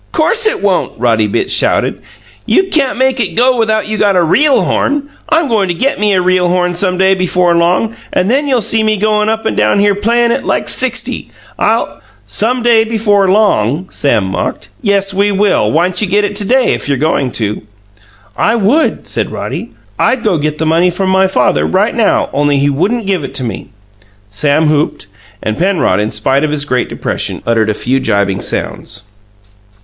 "Course it won't!" Roddy Bitts shouted. "You can't make it go without you got a REAL horn. I'm goin' to get me a real horn some day before long, and then you'll see me goin' up and down here playin' it like sixty! I'll " "'Some day before long!'" Sam mocked. "Yes, we will! Why'n't you get it to day, if you're goin' to?" "I would," said Roddy. "I'd go get the money from my father right now, only he wouldn't give it to me." Sam whooped, and Penrod, in spite of his great depression, uttered a few jibing sounds.